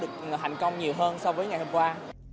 thì hành công nhiều hơn so với ngày hôm qua